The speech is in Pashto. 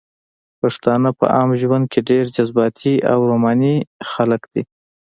پښتانه په عام ژوند کښې ډېر جذباتي او روماني خلق دي